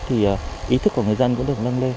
thì ý thức của người dân cũng được nâng lên